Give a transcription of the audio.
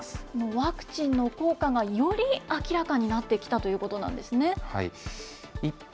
ワクチンの効果がより明らかになってきたということなんです一方